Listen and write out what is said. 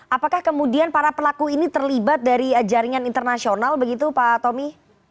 apakah kemudian para pelaku ini terlibat dari jaringan internasional begitu pak tommy